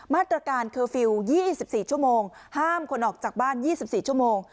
มาตรการเคอร์ฟิลล์๒๔ชั่วโมงห้ามคนออกจากบ้าน๒๔ชั่วโมง